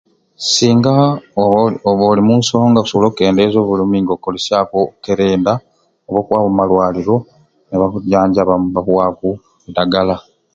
Singa oba oba oli m'unsonga okusobola okukendeza obulumi nga okukolesyaku obukerenda oba okwaba om'umalwaliro nibakujanjabamu nibakuwa okudagala.